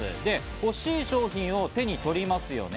欲しい商品を手に取りますよね。